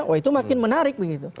oh itu makin menarik begitu